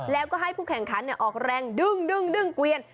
แล้วก็ให้ผู้แข่งขันออกแรงดึงเกวียน